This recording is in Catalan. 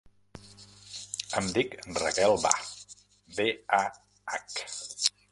Em dic Raquel Bah: be, a, hac.